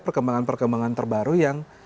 perkembangan perkembangan terbaru yang